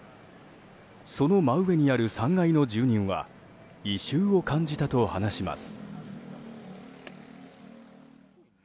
その真上にある３階の住人は異臭を感じたと話します。